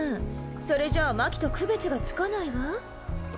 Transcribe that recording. それじゃあ真希と区別がつかないわ。